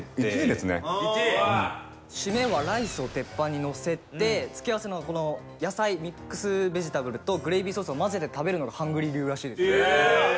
締めはライスを鉄板にのせて付け合わせのこの野菜ミックスベジタブルとグレイビーソースを混ぜて食べるのがハングリー流らしいです。